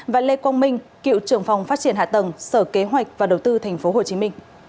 và lê quang minh cựu trưởng phòng phát triển hạ tầng sở kế hoạch và đầu tư tp hcm